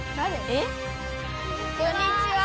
こんにちは。